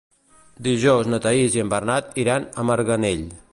Dijous na Thaís i en Bernat iran a Marganell.